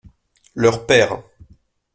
Leur père.